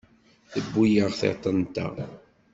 Tewwi-aɣ tiṭ-nteɣ.